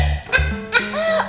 hmm menurut gue sih